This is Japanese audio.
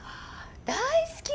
大好き！